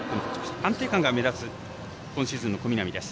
安定感が目立つ今シーズンの小南です。